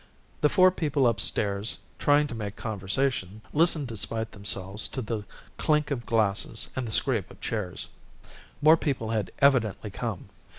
The four people upstairs, trying to make conversation, listened despite themselves to the clink of glasses and the scrape of chairs. More people had evidently come.